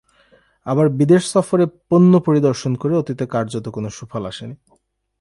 আবার বিদেশ সফরে পণ্য পরিদর্শন করে অতীতে কার্যত কোনো সুফল আসেনি।